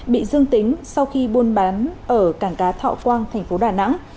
bị dương tính sau khi buôn bán ở cảng cá thọ quang thành phố đà nẵng